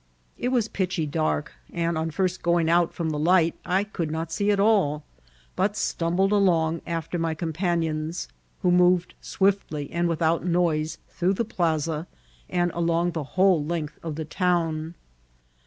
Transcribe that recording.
It was pitchy dark, and on first going out from the light I could not see at all, but stumbled along after my c(»npanions, who moved swiftly and without noise through the plaza, and along the whole length of the town.